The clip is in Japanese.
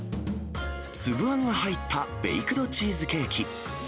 粒あんの入ったベイクドチーズケーキ。